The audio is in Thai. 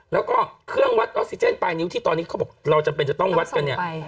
แล้วก็เครื่องวัดออกซิเจนปลายนิ้วที่ตอนนี้เขาบอกเราจำเป็นจะต้องวัดกันเนี่ย